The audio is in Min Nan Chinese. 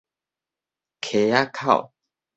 溪仔口：